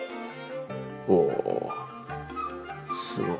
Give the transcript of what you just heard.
おぉすごい。